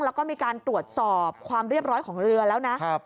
แล้วก็มีการตรวจสอบความเรียบร้อยของเรือแล้วนะ